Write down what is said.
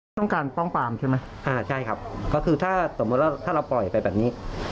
ต้องการป้องปามใช่ไหมอ่าใช่ครับก็คือถ้าสมมุติว่าถ้าเราปล่อยไปแบบนี้